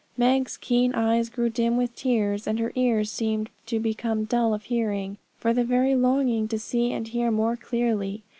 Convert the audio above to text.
Meg's keen eyes grew dim with tears, and her ears seemed to become dull of hearing, from the very longing to see and hear more clearly.